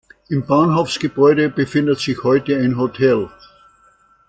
Im Bahnhofsgebäude befindet sich heute ein Hotel.